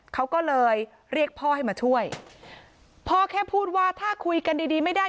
เขาก็เลยเรียกพ่อให้มาช่วยพ่อแค่พูดว่าถ้าคุยกันดีดีไม่ได้